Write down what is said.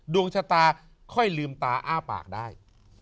ดวงชะตาค่อยลืมตาอ้าปากได้